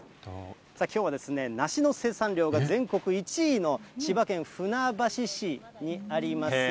きょうは、梨の生産量が全国１位の千葉県船橋市にあります